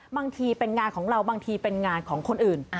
บางทีเป็นงานของเราบางทีเป็นงานของคนอื่น